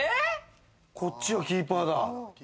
こっちはキーパーだ。